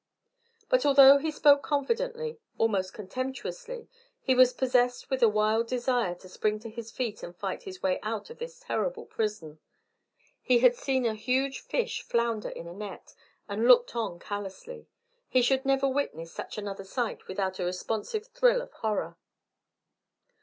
But although he spoke confidently, almost contemptuously, he was possessed with a wild desire to spring to his feet and fight his way out of this terrible prison. He had seen a huge fish flounder in a net, and looked on callously. He should never witness such another sight without a responsive thrill of horror.